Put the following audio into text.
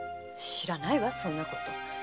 知らないわそんなこと。